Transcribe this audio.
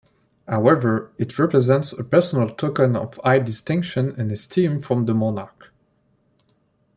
However, it represents a personal token of high distinction and esteem from the monarch.